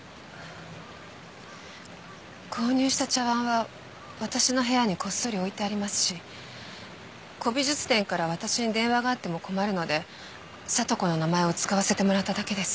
購入した茶わんは私の部屋にこっそり置いてありますし古美術店から私に電話があっても困るので聡子の名前を使わせてもらっただけです。